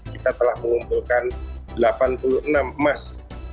kita telah mengumpulkan delapan puluh enam emas